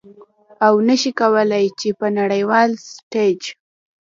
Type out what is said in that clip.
او نشي کولې چې په نړیوال ستیج